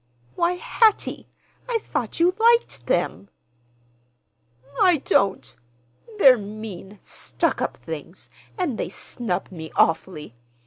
"Why, Hattie, I thought you liked them!" "I don't. They're mean, stuck up things, and they snub me awfully.